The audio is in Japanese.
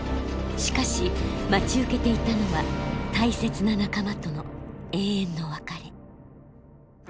しかし待ち受けていたのは大切な仲間との永遠の別れ。